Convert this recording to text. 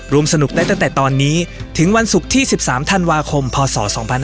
สนุกได้ตั้งแต่ตอนนี้ถึงวันศุกร์ที่๑๓ธันวาคมพศ๒๕๖๒